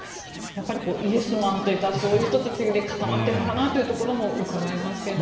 イエスマンというかそういう人たちで固まってるのかなというところもうかがえますけども。